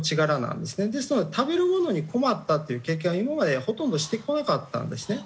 ですので食べるものに困ったっていう経験は今までほとんどしてこなかったんですね。